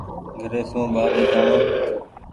گھري سون ٻآري جآڻو۔